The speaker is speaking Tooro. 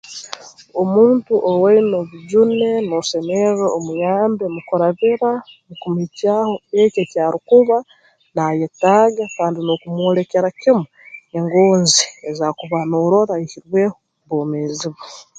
Omuntu owaine obujune noosemerra omuyambe mu kurabira mu kumuhikyaho ekyo eki arukuba naayetaaga kandi n'okumwolekera kimu engonzi ezi akuba noorora aihirweho mu bwomeezi bwe